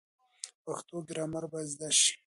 پښتو ګرامر باید زده شي.